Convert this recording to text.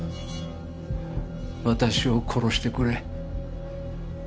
私を殺してくれ